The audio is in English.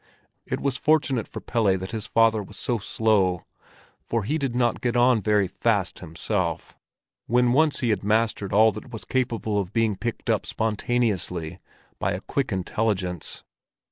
It was fortunate for Pelle that his father was so slow, for he did not get on very fast himself, when once he had mastered all that was capable of being picked up spontaneously by a quick intelligence.